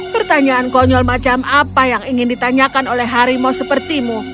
pertanyaan konyol macam apa yang ingin ditanyakan oleh harimau sepertimu